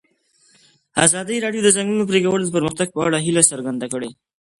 ازادي راډیو د د ځنګلونو پرېکول د پرمختګ په اړه هیله څرګنده کړې.